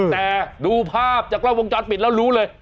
แต่ดูภาพจากกล้องวงจรปิดแล้วรู้เลย